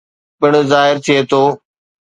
پڻ ظاهر ٿئي ٿو